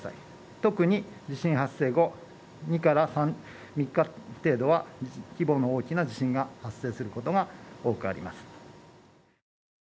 特に地震発生後、２から３日程度は、規模の大きな地震が発生することが多くあります。